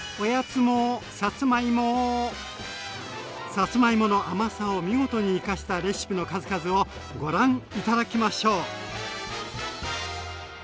さつまいもの甘さを見事に生かしたレシピの数々をご覧頂きましょう！